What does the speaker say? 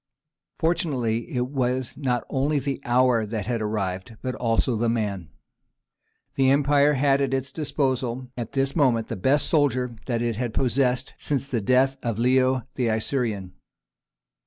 Fortunately it was not only the hour that had arrived, but also the man. The empire had at its disposal at this moment the best soldier that it had possessed since the death of Leo the Isaurian.